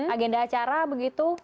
agenda acara begitu